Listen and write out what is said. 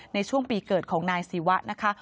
ในช่วงปีเกิดของนายศิวะนะคะ